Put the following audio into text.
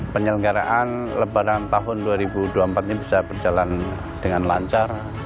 penyelenggaraan lebaran tahun dua ribu dua puluh empat ini bisa berjalan dengan lancar